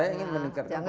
jangan sampai lebih rendah